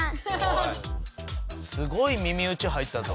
すごい耳うち入ったぞ。